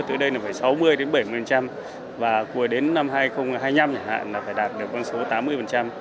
từ đây là phải sáu mươi đến bảy mươi và cuối đến năm hai nghìn hai mươi năm hẳn là phải đạt được văn số tám mươi